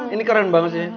ini keren banget sih